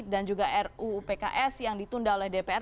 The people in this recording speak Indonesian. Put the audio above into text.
dan juga ruupks yang ditunda oleh dpr